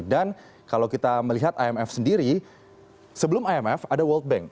dan kalau kita melihat imf sendiri sebelum imf ada world bank